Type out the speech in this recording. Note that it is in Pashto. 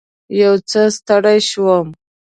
یو څه ستړې شوم.